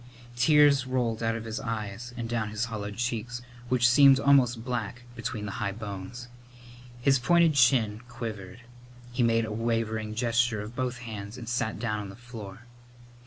Tears rolled out of his eyes down his hollowed cheeks, which seemed almost black between the high bones. His pointed chin quivered. He made a wavering gesture of both hands and sat down on the floor.